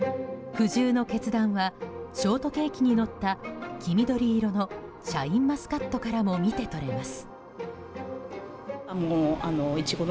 苦渋の決断はショートケーキにのった黄緑色のシャインマスカットからも見て取れます。